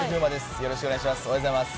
よろしくお願いします。